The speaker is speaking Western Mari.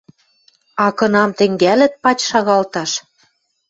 А кынам тӹнгӓлӹт пач шагалташ